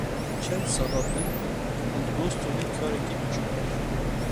Çend salan min li Bostonê karekî biçûk dikir.